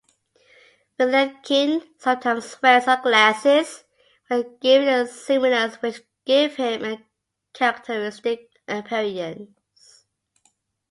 Vilenkin sometimes wears sunglasses when giving seminars which give him a characteristic appearance.